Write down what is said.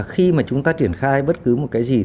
khi mà chúng ta triển khai bất cứ một cái gì